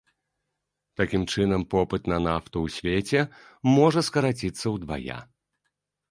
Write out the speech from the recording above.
Такім чынам, попыт на нафту ў свеце можа скараціцца ўдвая.